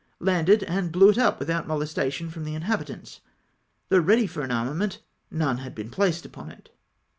Landed, and blew it up without molestation from the inhabitants. Though ready for an armament, none had been placed upon it.